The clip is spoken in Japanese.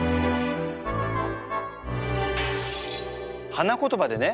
花言葉でね